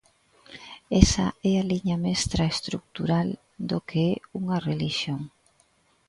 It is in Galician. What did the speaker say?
Esa é a liña mestra estrutural do que é unha relixión.